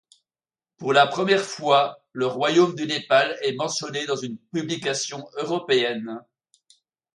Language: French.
Pour la première fois le royaume du Népal est mentionné dans une publication européenne.